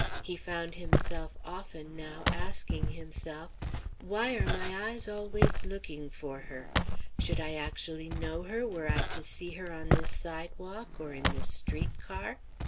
He found himself often, now, asking himself, why are my eyes always looking for her? Should I actually know her, were I to see her on this sidewalk, or in this street car?